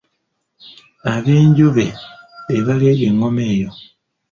Abenjobe be baleega engoma eyo.